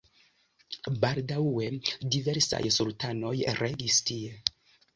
Baldaŭe diversaj sultanoj regis tie.